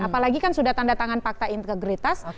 apalagi kan sudah tanda tangan fakta integritas